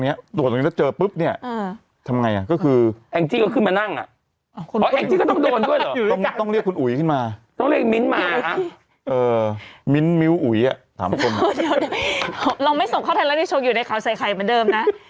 แยกย้ายก็ต้องอยู่เลยนะครับอืม